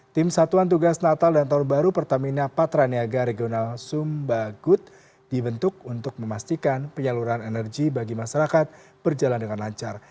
tim satuan tugas natal dan tahun baru pertamina patraniaga regional sumbagut dibentuk untuk memastikan penyaluran energi bagi masyarakat berjalan dengan lancar